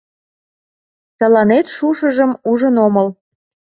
Тыланет шушыжым ужын омыл.